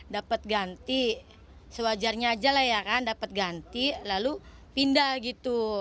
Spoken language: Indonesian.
dapat ganti sewajarnya aja lah ya kan dapat ganti lalu pindah gitu